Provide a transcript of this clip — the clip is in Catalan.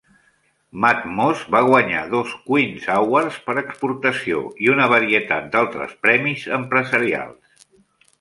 Mathmos va guanyar dos Queens Awards per Exportació i una varietat d'altres premis empresarials.